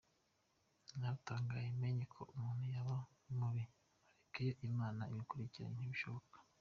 Naratangaye menye ko umuntu yaba mubi ariko iyo Imana ikigukingiye ntibishoboka".